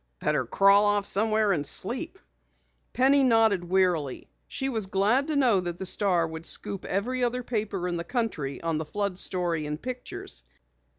Better crawl off somewhere and sleep." Penny nodded wearily. She was glad to know that the Star would scoop every other paper in the country on the flood story and pictures.